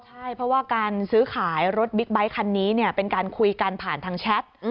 ใช่เพราะว่าการซื้อขายรถบิ๊กไบท์คันนี้เป็นการคุยกันผ่านทางแชท